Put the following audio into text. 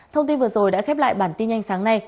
thông tin vừa rồi đã khép lại bản tin nhanh sáng nay